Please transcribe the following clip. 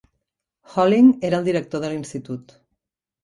Holling era el director de l'institut.